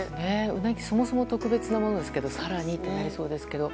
うなぎってそもそも特別なものですけど更にとなりそうです。